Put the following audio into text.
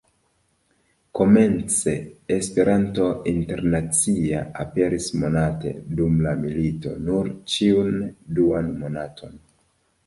Komence "Esperanto Internacia" aperis monate, dum la milito nur ĉiun duan monaton.